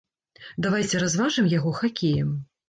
Давайце разважым яго хакеем!